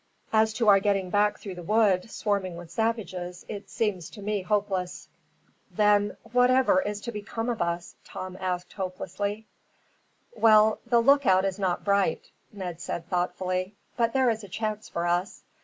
As to our getting back through the wood, swarming with savages, it seems to me hopeless." "Then whatever is to become of us?" Tom asked, hopelessly. "Well, the lookout is not bright," Ned said thoughtfully, "but there is a chance for us.